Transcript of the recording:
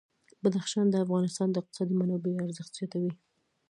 بدخشان د افغانستان د اقتصادي منابعو ارزښت زیاتوي.